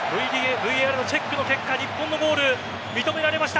ＶＡＲのチェックの結果日本のゴール認められました。